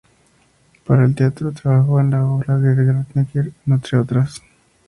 Para el teatro trabajó en la obra "The Great Necker", entre otras.